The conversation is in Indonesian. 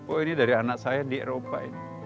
oh ini dari anak saya di eropa ini